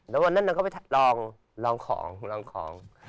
แล้ววันนั้นเราก็ไปลองของ